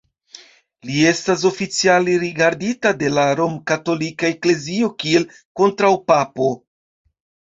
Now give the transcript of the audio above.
Li estas oficiale rigardita de la Romkatolika Eklezio kiel kontraŭpapo.